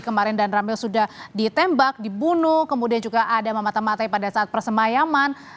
kemarin dan ramel sudah ditembak dibunuh kemudian juga ada memata matai pada saat persemayaman